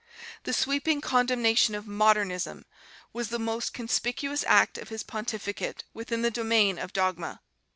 . The sweeping condemnation of 'Modernism' was the most conspicuous act of his pontificate within the domain of dogma.